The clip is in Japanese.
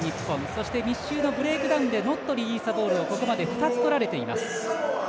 そして密集のブレイクダウンでノットリリースザボール２つ取られています。